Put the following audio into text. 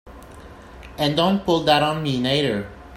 And don't pull that on me neither!